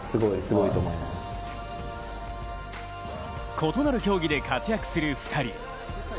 異なる競技で活躍する２人。